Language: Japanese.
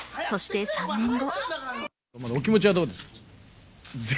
そして３年後。